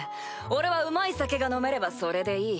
俺はうまい酒が飲めればそれでいい。